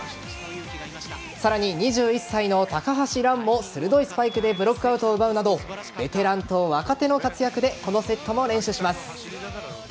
さらに、２１歳の高橋藍も鋭いスパイクでブロックアウトを奪うなどベテランと若手の活躍でこのセットも連取します。